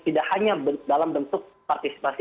tidak hanya dalam bentuk partisipasi